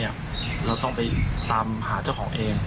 เราต้องไปตามหาเจ้าของเอง